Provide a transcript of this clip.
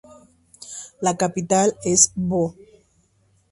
La capital es Bo.